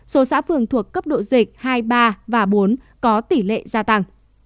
số xã phường thuộc cấp độ dịch hai mươi ba và bốn có tỷ lệ gia tăng